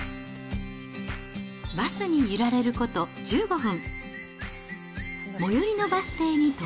バスに揺られること１５分。